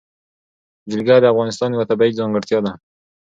جلګه د افغانستان یوه طبیعي ځانګړتیا ده.